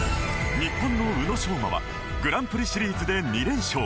日本の宇野昌磨はグランプリシリーズで２連勝。